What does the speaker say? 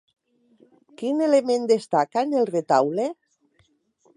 Quin element destaca en el retaule?